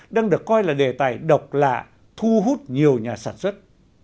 đang được coi là đề tài độc lạ thu hút nhiều nhà sản xuất